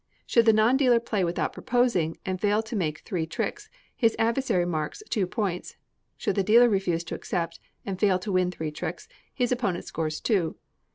Should the non dealer play without proposing, and fail to make three tricks, his adversary marks two points; should the dealer refuse to accept and fail to win three tricks, his opponent scores two.